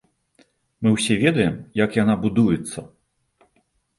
Мы ўсе ведаем, як яна будуецца.